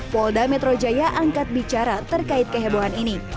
polda metro jaya angkat bicara terkait kehebohan ini